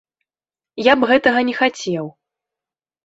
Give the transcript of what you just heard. Я б гэтага не хацеў!